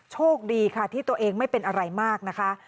โชคดีค่ะที่ตัวเองไม่เป็นอะไรมากนะคะ